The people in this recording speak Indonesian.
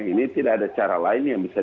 ini tidak ada cara lain yang bisa